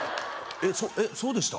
えっそうそうでした？